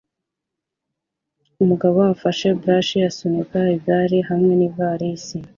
Umugabo ufashe brush asunika igare hamwe n ivarisi